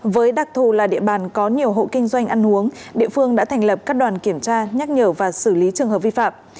với đặc thù là địa bàn có nhiều hộ kinh doanh ăn uống địa phương đã thành lập các đoàn kiểm tra nhắc nhở và xử lý trường hợp vi phạm